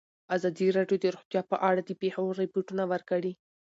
ازادي راډیو د روغتیا په اړه د پېښو رپوټونه ورکړي.